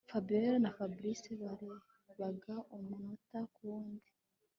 Fabiora na Fabric barebaga umunota kuwundi